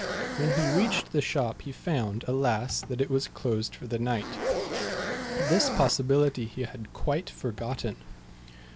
When he reached the shop, he found, alas, that it was closed for the night. This possibility he had quite forgotten.